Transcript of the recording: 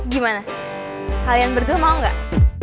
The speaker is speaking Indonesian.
gimana kalian berdua mau gak